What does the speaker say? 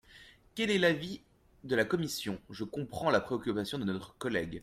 Quel est l’avis de la commission ? Je comprends la préoccupation de notre collègue.